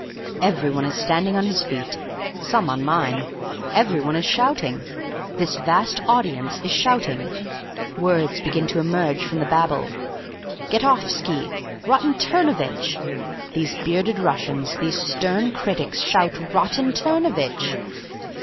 "Everyone is standing on his feet. Some on mine. Everyone is shouting. This vast audience is shouting. "Words begin to emerge from the babel. "'Get offski! Rotten turnovitch!' These bearded Russians, these stern critics, shout, 'Rotten turnovitch!'